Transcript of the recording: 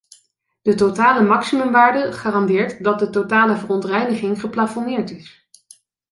De totale maximumwaarde garandeert dat de totale verontreiniging geplafonneerd is.